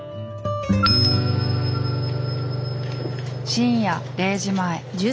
深夜０時前。